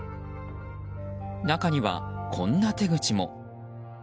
中には、こんな手口も。